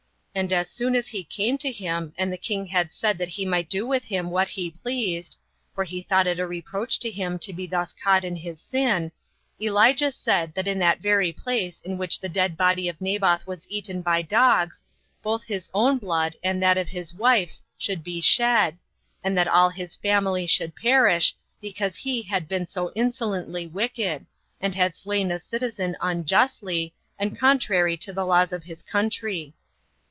And as soon as he came to him, and the king had said that he might do with him what he pleased, [for he thought it a reproach to him to be thus caught in his sin,] Elijah said, that in that very place in which the dead body of Naboth was eaten by dogs both his own blood and that of his wife's should be shed, and that all his family should perish, because he had been so insolently wicked, and had slain a citizen unjustly, and contrary to the laws of his country.